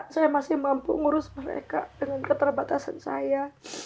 saya masih mampu ngurus mereka dengan keterbatasan saya